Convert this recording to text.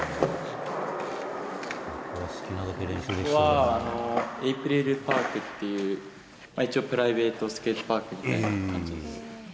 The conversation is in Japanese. ここはエイプリルパークっていう、一応、プライベートスケートパークみたいな感じです。